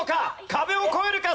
壁を越えるか？